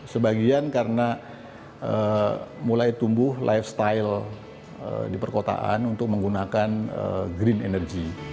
sebagian karena mulai tumbuh lifestyle di perkotaan untuk menggunakan green energy